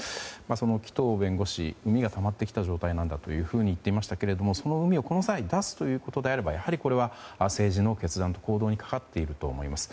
その紀藤弁護士うみがたまってきた状態だと言っていましたがそのうみを、この際出すということであればやはりこれは政治の決断や行動にかかっていると思います。